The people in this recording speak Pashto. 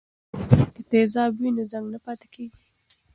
که تیزاب وي نو زنګ نه پاتې کیږي.